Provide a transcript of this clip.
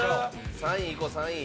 ３位いこう３位。